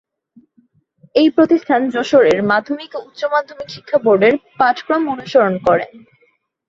এই প্রতিষ্ঠান যশোরের মাধ্যমিক ও উচ্চ মাধ্যমিক শিক্ষা বোর্ডের পাঠক্রম অনুসরণ করে।